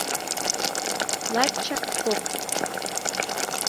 Лачак кокыт.